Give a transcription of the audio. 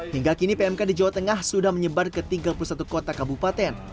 hingga kini pmk di jawa tengah sudah menyebar ke tiga puluh satu kota kabupaten